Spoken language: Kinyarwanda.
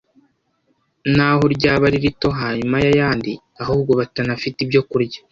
naho ryaba ari rito hanyuma y'ayandi; ahubwo batanafite ibyo kurya.